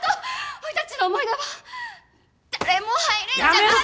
おい達の思い出は誰も入れんじゃなかと？